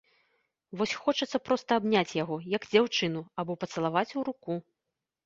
Вось хочацца проста абняць яго, як дзяўчыну, або пацалаваць у руку.